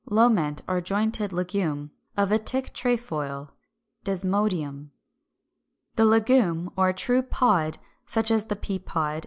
Loment or jointed legume of a Tick Trefoil (Desmodium).] 368. =The Legume= or true Pod, such as the peapod (Fig.